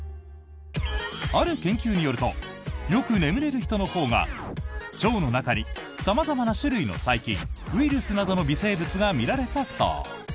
ある研究によるとよく眠れる人のほうが腸の中に様々な種類の細菌、ウイルスなどの微生物が見られたそう。